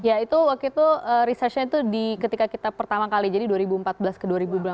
ya itu waktu itu researchnya itu ketika kita pertama kali jadi dua ribu empat belas ke dua ribu delapan belas